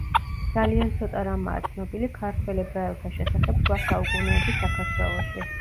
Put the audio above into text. ძალიან ცოტა რამაა ცნობილი ქართველ ებრაელთა შესახებ შუა საუკუნეების საქართველოში.